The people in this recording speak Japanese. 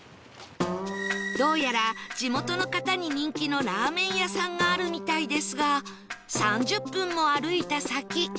どうやら地元の方に人気のラーメン屋さんがあるみたいですが３０分も歩いた先